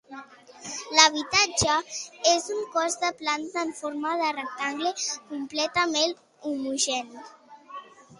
L'habitatge és un cos de planta en forma de rectangle, completament homogeni.